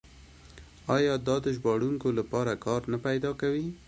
آیا دا د ژباړونکو لپاره کار نه پیدا کوي؟